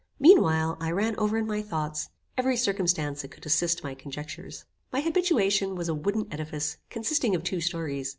Meanwhile, I ran over in my thoughts, every circumstance that could assist my conjectures. My habitation was a wooden edifice, consisting of two stories.